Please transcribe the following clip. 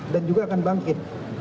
dan juga akan bangkit